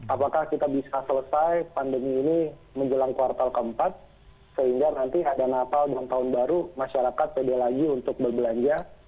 apakah kita bisa selesai pandemi ini menjelang kuartal keempat sehingga nanti ada natal dan tahun baru masyarakat pede lagi untuk berbelanja